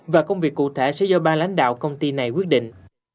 và công việc cụ thể sẽ do ba lãnh đạo công ty này quyết định